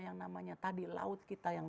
yang namanya tadi laut kita yang